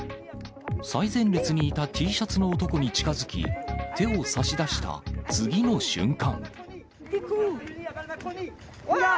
最前列にいたＴシャツの男に近づき、手を差し出した次の瞬間。